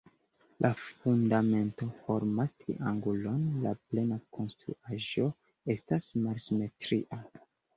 La fundamento formas triangulon, la plena konstruaĵo estas malsimetria.